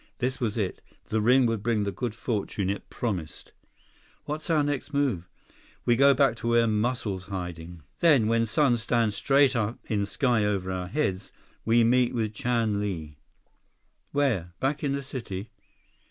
This was it. The ring would bring the good fortune it promised. "What's our next move?" "We go back to where Muscles hiding. Then, when sun stands straight up in sky over our heads, we meet with Chan Li." "Where? Back in the city?"